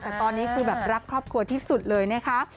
แต่ตอนนี้คือแบบรักครอบครัวที่สุดเลยนะคะ